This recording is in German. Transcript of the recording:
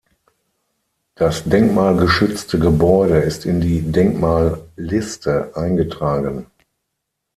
Das denkmalgeschützte Gebäude ist in die Denkmalliste eingetragen.